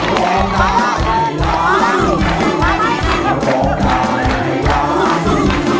ร้องได้ร้องได้ร้องได้